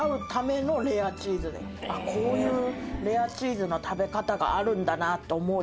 こういうレアチーズの食べ方があるんだなって思うよ。